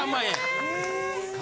・え？